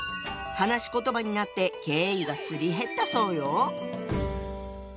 話し言葉になって敬意がすり減ったそうよ。